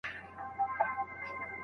دا پردۍ ښځي چي وینمه شرمېږم